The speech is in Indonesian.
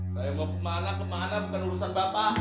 saya mau ke mana kemana bukan urusan bapak